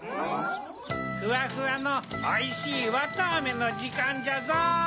ふわふわのおいしいわたあめのじかんじゃぞい！